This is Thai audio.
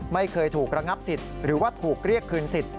ไม่เคยถูกระงับสิทธิ์หรือว่าถูกเรียกคืนสิทธิ